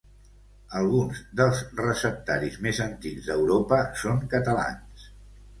Alguns dels receptaris més antics d'Europa són catalans.